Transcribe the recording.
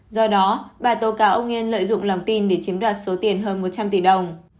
do đó bà tố cáo ông nghiên lợi dụng lòng tin để chiếm đoạt số tiền hơn một trăm linh tỷ đồng